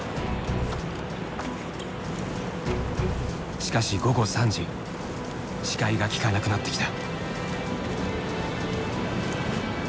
しかし午後３時視界がきかなくなってきた。